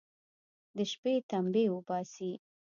د شپې تمبې اوباسي.